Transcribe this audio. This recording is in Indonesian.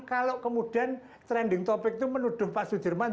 kalau kemudian trending topic itu menuduh pak sudirman